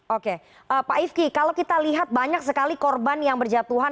oke pak ifki kalau kita lihat banyak sekali korban yang berjatuhan